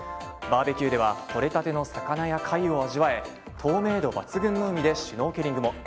バーベキューではとれたての魚や貝を味わえ透明度抜群の海でシュノーケリングも。